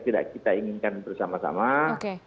tidak kita inginkan bersama sama